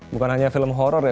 bukan hanya film horror ya